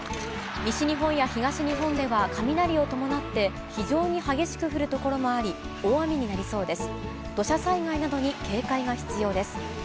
西日本や東日本では、雷を伴って非常に激しく降る所もあり、大雨になりそうです。